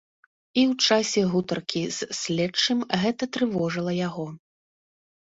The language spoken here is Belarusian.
І ў часе гутаркі з следчым гэта трывожыла яго.